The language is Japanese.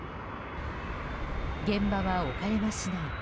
現場は岡山市内。